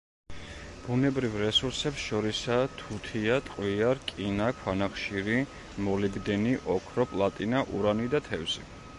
ბუნებრივ რესურსებს შორისაა თუთია, ტყვია, რკინა, ქვანახშირი, მოლიბდენი, ოქრო, პლატინა, ურანი და თევზი.